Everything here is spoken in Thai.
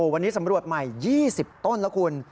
วันนี้สำรวจใหม่๒๐ต้นแล้วคุณ